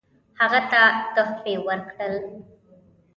هغه ته تحفې ورکړل.